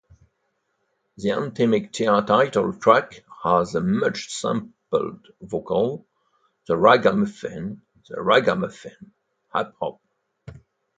The anthemic title track has the much sampled vocal, "The ragga-muffin, the ragga-muffin, hip-hop".